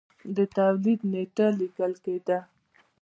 د تولید نېټه لیکل کېده.